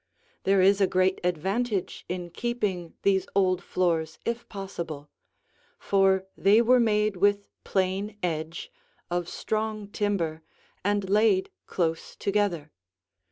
There is a great advantage in keeping these old floors if possible, for they were made with plain edge, of strong timber and laid close together.